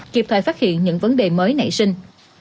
kịp thời phát hiện những vấn đề mới nảy sinh